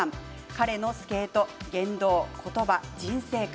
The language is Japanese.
彼のスケート、言動、言葉人生観